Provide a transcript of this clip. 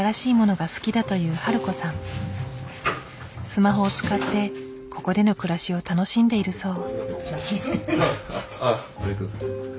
スマホを使ってここでの暮らしを楽しんでいるそう。